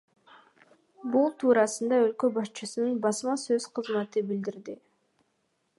Бул туурасында өлкө башчысынын басма сөз кызматы билдирди.